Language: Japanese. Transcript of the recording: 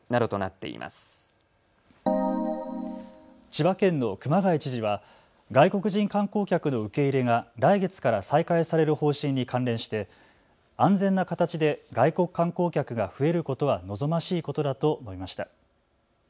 千葉県の熊谷知事は外国人観光客の受け入れが来月から再開される方針に関連して安全な形で外国観光客が増えることは望ましいことだと述べました。